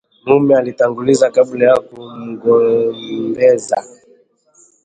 Mume alitanguliza kabla ya kumgombeza